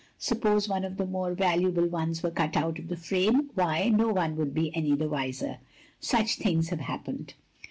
Suppose one of the more valuable ones were cut out of the frame, why, no one would be any the wiser. Such things have happened."